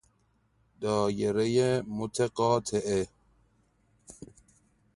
دایره متقاطعه